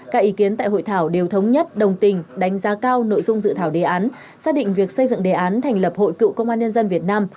các ý kiến tại hội thảo đều thống nhất đồng tình đánh giá cao nội dung dự thảo đề án xác định việc xây dựng đề án thành lập hội cựu công an nhân dân việt nam